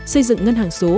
xây dựng ngân hàng số